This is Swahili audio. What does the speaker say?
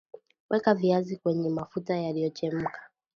Weka viazi kwenye mafuta yaliyochemka